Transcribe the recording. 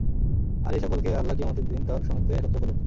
আর এ সকলকে আল্লাহ কিয়ামতের দিন তার সাথে একত্র করবেন।